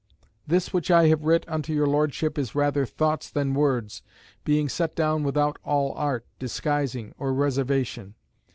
This which I have writ unto your Lordship is rather thoughts than words, being set down without all art, disguising, or reservation.